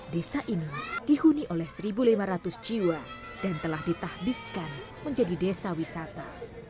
desa ini dihuni oleh satu lima ratus jiwa dan telah ditahbiskan menjadi desa wisata